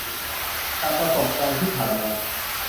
จากประสบการณ์ที่ผ่านมา